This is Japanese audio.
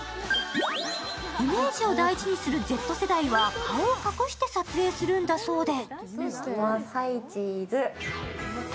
イメージを大事にするＺ世代は顔を隠して撮影するんだそうで。